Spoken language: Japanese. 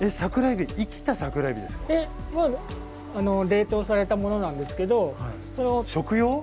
冷凍されたものなんですけど。